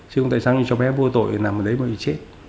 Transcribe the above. chứ không tại sao nhưng cho bé vô tội nằm ở đấy mà bị chết